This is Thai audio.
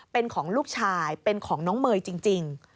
เป็นของลูกชายเป็นของน้องเมย์จริง